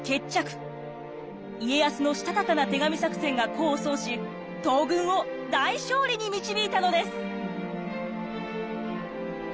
家康のしたたかな手紙作戦が功を奏し東軍を大勝利に導いたのです。